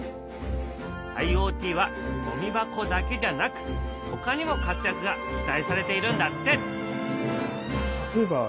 ＩｏＴはゴミ箱だけじゃなくほかにも活躍が期待されているんだって！